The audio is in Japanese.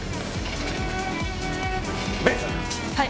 はい。